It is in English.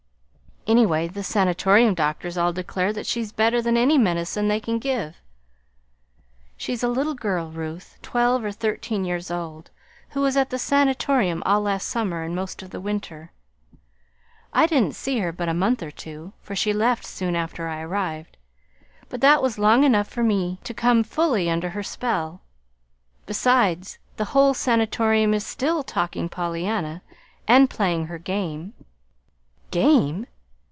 "Anyway, the Sanatorium doctors all declare that she's better than any medicine they can give. She's a little girl, Ruth, twelve or thirteen years old, who was at the Sanatorium all last summer and most of the winter. I didn't see her but a month or two, for she left soon after I arrived. But that was long enough for me to come fully under her spell. Besides, the whole Sanatorium is still talking Pollyanna, and playing her game." "GAME!"